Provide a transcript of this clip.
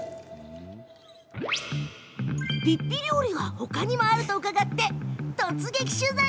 「ぴっぴ」料理が他にもあると伺って、突撃取材。